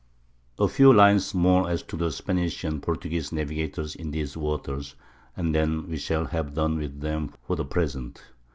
] A few lines more as to the Spanish and Portuguese navigators in these waters, and then we shall have done with them for the present.